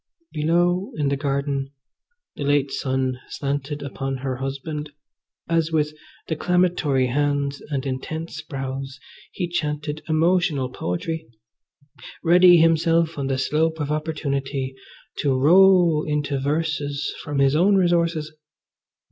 Below in the garden the late sun slanted upon her husband, as with declamatory hands and intense brows he chanted emotional poetry, ready himself on the slope of opportunity to roll into verses from his own resources.